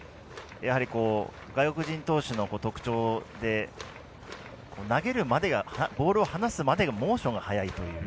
外国人投手の特徴で投げるまでがボールを放すまでがモーションが速いという。